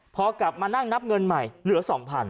พอกลับมานั่งนับเงินใหม่เหลือ๒๐๐๐